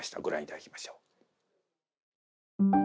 ご覧いただきましょう。